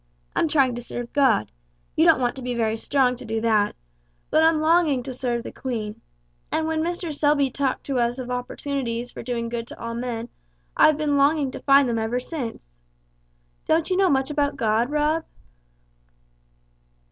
I'm trying to serve God you don't want to be very strong to do that; but I'm longing to serve the Queen, and when Mr. Selby talked to us of opportunities for doing good to all men I've been longing to find them ever since. Don't you know much about God, Rob?"